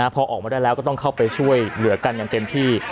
พอออกมาได้แล้วก็ต้องเข้าไปช่วยเหลือกันอย่างเต็มที่